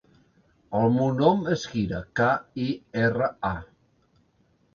El meu nom és Kira: ca, i, erra, a.